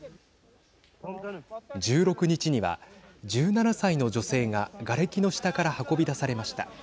１６日には１７歳の女性ががれきの下から運び出されました。